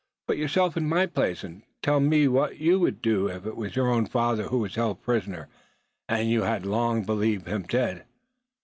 "Put yourself in my place, and tell me what you would do if it was your own father who was held a prisoner, and you had long believed him dead?